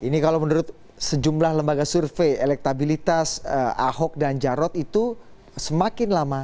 ini kalau menurut sejumlah lembaga survei elektabilitas ahok dan jarot itu semakin lama